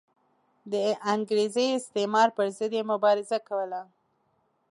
د انګریزي استعمار پر ضد یې مبارزه کوله.